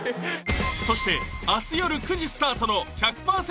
そして明日よる９時スタートの「１００％！